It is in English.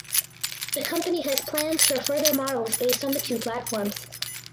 The company has plans for further models based on the two platforms.